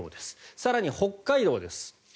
更に北海道です。